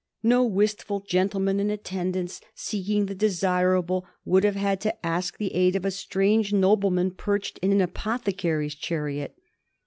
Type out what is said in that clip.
No wistful gentleman in attendance seeking the desirable would have had to ask the aid of a strange nobleman perched in an apothecary's chariot.